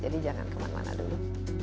jadi jangan kemana mana dulu